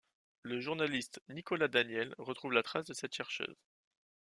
Le journaliste Nicolas Daniel retrouve la trace de cette chercheuse.